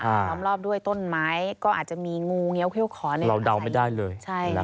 ล้อมรอบด้วยต้นไม้ก็อาจจะมีงูเงี้ยเขี้ยวขอเราเดาไม่ได้เลย